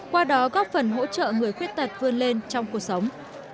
qua đó góp phần hỗ trợ người khuyết tật vươn lên trong cuộc sống